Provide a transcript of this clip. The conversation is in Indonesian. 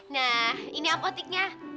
nah ini apotiknya